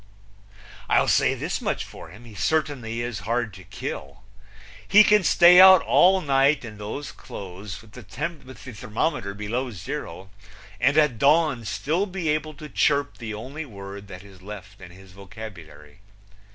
I'll say this much for him: He certainly is hard to kill. He can stay out all night in those clothes, with the thermometer below zero, and at dawn still be able to chirp the only word that is left in his vocabulary.